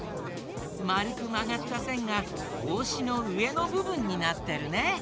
まるくまがったせんがぼうしのうえのぶぶんになってるね。